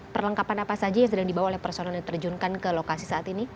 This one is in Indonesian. perlengkapan apa saja yang sedang dibawa oleh personel yang diterjunkan ke lokasi saat ini